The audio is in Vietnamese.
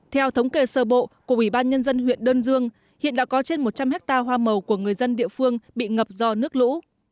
theo thống kê sơ bộ của ủy ban nhân dân huyện đơn dương hiện đã có trên một trăm linh hectare hoa màu của người dân địa phương bị ngập do nước lũ